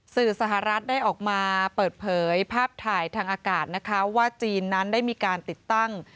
สื่อสหรัฐได้ออกมาเปิดเผยภาพถ่ายทางอากาศนะคะว่าจีนนั้นได้มีการติดตั้ง